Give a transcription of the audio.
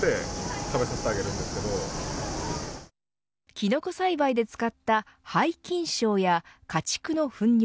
キノコ栽培で使った廃菌床や家畜のふん尿